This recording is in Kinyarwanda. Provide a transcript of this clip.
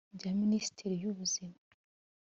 bya minisiteri y’ubuzima